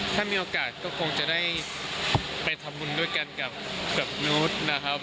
ถ้ามีโอกาสก็คงจะได้ไปทำบุญด้วยกันกับนุษย์นะครับ